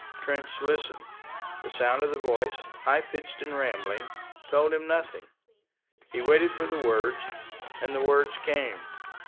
Trench listened; the sound of the voice, high pitched and rambling, told him nothing. He waited for the words, and the words came.